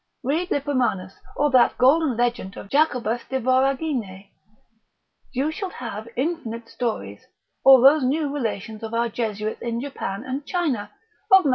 Read Lippomanus, or that golden legend of Jacobus de Voragine, you shall have infinite stories, or those new relations of our Jesuits in Japan and China, of Mat.